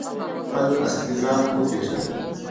خپل اصلي ځان وپیژني؟